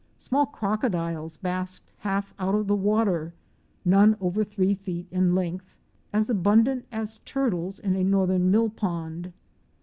Small croco diles basked half out of the water, none over three feet in length, as abundant as turtles in a northern mill pond.